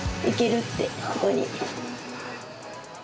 いけるって、ここに。